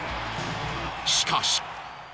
［しかし］